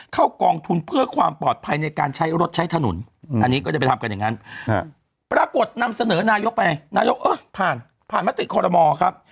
ไปทำกันอย่างงั้นฮึปรากฏนำเสนอนายกไปนายกเฮ้ยพาผ่านพามาติกฎมอร์ครับ